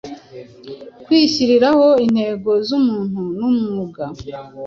Kwihyiriraho intego zumuntu nu mwuga